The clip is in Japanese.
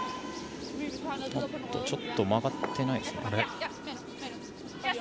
ちょっと曲がっていないですね。